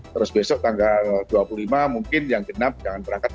terus besok tanggal dua puluh lima mungkin yang genap jangan berangkat